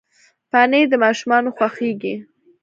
پنېر د ماشومانو خوښېږي.